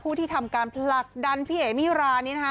ผู้ที่ทำการผลักดันพี่เอมีรานี่นะครับ